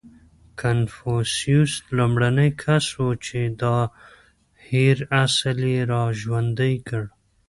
• کنفوسیوس لومړنی کس و، چې دا هېر اصل یې راژوندی کړ.